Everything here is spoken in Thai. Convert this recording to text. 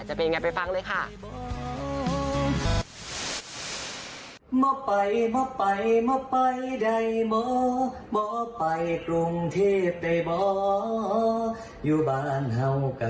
จะเป็นยังไงไปฟังเลยค่ะ